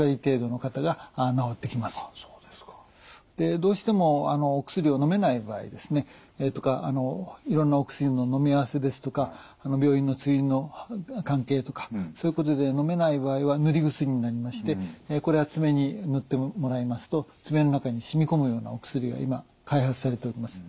どうしてもお薬をのめない場合とかいろんなお薬ののみ合わせですとか病院の通院の関係とかそういうことでのめない場合は塗り薬になりましてこれは爪に塗ってもらいますと爪の中に染み込むようなお薬を今開発されております。